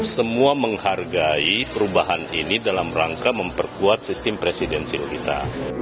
semua menghargai perubahan ini dalam rangka memperkuat sistem presidensil kita